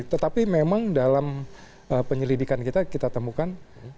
tetapi memang dalam penyelidikan kita kita temukan